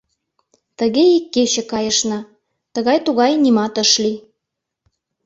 Тыге ик кече кайышна — тыгай-тугай нимат ыш лий.